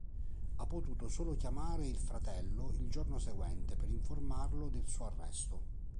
Ha potuto solo chiamare il fratello il giorno seguente per informarlo del suo arresto.